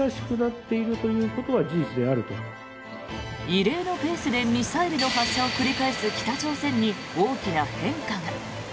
異例のペースでミサイルの発射を繰り返す北朝鮮に大きな変化が。